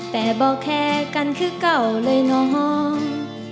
แต่บอกแค่กันคือเก่าเลยน้อง